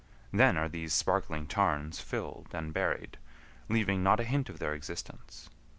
Then are these sparkling tarns filled and buried, leaving not a hint of their existence.